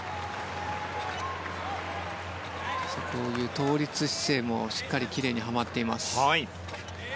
倒立姿勢もしっかりきれいにはまっています。